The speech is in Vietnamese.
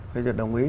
phê duyệt đồng ý